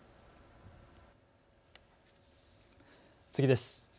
次です。